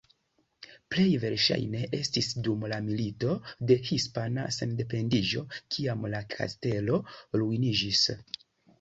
Plej verŝajne estis dum la Milito de Hispana Sendependiĝo kiam la kastelo ruiniĝis.